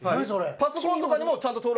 パソコンとかにもちゃんと登録。